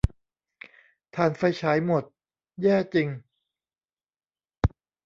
ถ่านไฟฉายหมด แย่จริง